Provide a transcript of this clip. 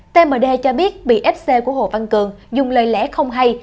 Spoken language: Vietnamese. tmd cho biết bị fc của hồ văn cường dùng lời lẽ không hay